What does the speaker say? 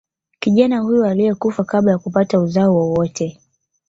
Kijana huyo aliyekufa kabla ya kupata uzao wowote